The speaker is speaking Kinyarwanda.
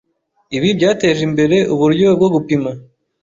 Ibi byateje imbere uburyo bwo gupima